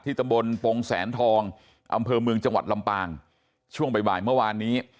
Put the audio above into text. ตำบลปงแสนทองอำเภอเมืองจังหวัดลำปางช่วงบ่ายเมื่อวานนี้